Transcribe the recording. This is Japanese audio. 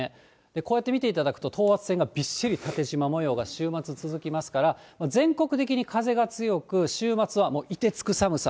こうやって見ていただくと、等圧線がびっしり縦じま模様が週末続きますから、全国的に風が強く、週末はもういてつく寒さ。